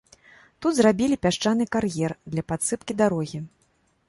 Тут зрабілі пясчаны кар'ер для падсыпкі дарогі.